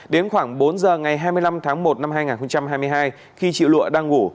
đến khoảng bốn giờ ngày hai mươi năm tháng một năm hai nghìn hai mươi hai khi chị lụa đang ngủ